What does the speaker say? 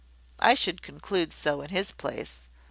I should conclude so in his place.